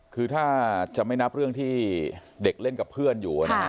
คือถ้าจะไม่นับเรื่องที่เด็กเล่นกับเพื่อนอยู่